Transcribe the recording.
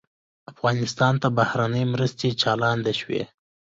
افغانستان ته بهرنۍ مرستې چالانې شوې.